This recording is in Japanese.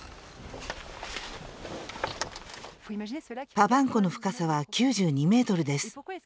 パヴァン湖の深さは９２メートルです。